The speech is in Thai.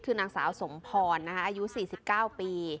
คือนางสาวสมพรอายุ๔๙ปี